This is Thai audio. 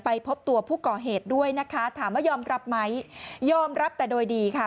พบตัวผู้ก่อเหตุด้วยนะคะถามว่ายอมรับไหมยอมรับแต่โดยดีค่ะ